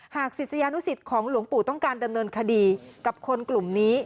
ศิษยานุสิตของหลวงปู่ต้องการดำเนินคดีกับคนกลุ่มนี้